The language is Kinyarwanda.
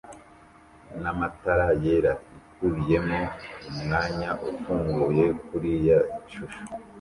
na matara yera ikubiyemo umwanya ufunguye kuriyi shusho